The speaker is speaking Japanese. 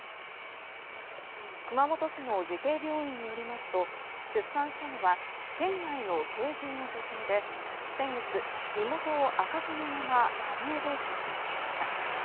熊本市の慈恵病院によりますと出産したのは県外の成人の女性で先月、身元を明かさぬまま仮名で出産しました。